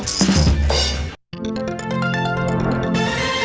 พอเถอะพอ